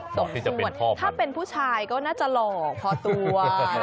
สมส่วนถ้าเป็นพ่อพันธุ์ถ้าเป็นผู้ชายก็น่าจะหลอกพอตัว